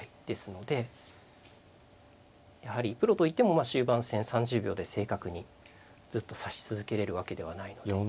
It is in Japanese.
ですのでやはりプロといっても終盤戦３０秒で正確にずっと指し続けれるわけではないので。